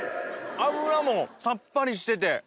脂もさっぱりしてて。